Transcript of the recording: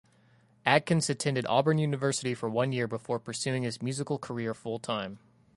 Adkins attended Auburn University for one year before pursuing his musical career full time.